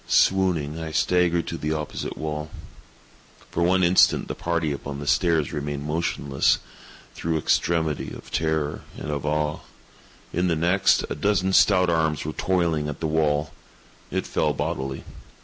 Swooning, I staggered to the opposite wall. For one instant the party upon the stairs remained motionless, through extremity of terror and of awe. In the next, a dozen stout arms were toiling at the wall. It fell bodily.